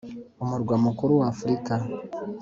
umurwa mukuru w'afurika.